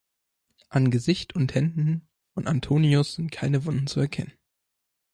An Gesicht und Händen von Antonius sind keine Wunden zu erkennen.